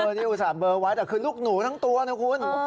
นี่อุตส่าห์เบอร์ไว้แต่คือลูกหนูทั้งตัวนะคุณ